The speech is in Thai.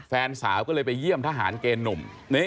แฟนสาวก็เลยไปเยี่ยมทหารเกณฑ์หนุ่ม